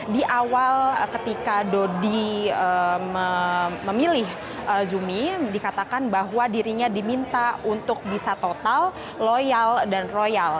di awal ketika dodi memilih zumi dikatakan bahwa dirinya diminta untuk bisa total loyal dan royal